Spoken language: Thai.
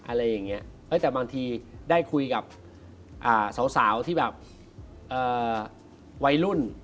อะไรอย่างนี้แต่บางทีได้คุยกับสาวที่แบบวัยรุ่น